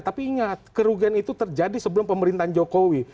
tapi ingat kerugian itu terjadi sebelum pemerintahan jokowi